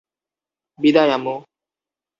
বিদায়, আম্মু।